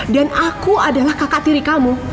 dan aku adalah kakak tiri kamu